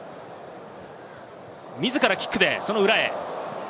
自らキックで裏へ。